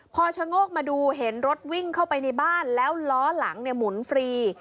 พอชะโงกมาดูเห็นรถวิ่งเข้าไปในบ้านแล้วล้อหลังเนี่ยหมุนฟรี